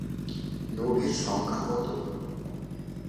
নবীর সংখ্যা কত?